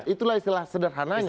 itulah istilah sederhananya